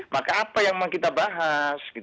maka apa yang mau kita bahas